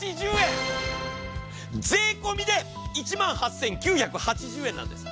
税込みで１万８９８０円なんです。